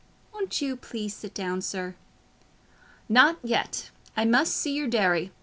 Won't you please to sit down, sir?" "Not yet; I must see your dairy.